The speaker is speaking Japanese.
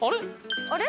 あれ？